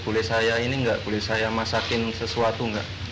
boleh saya ini gak boleh saya masakin sesuatu gak